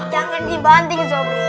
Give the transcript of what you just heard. jangan dibanting sobri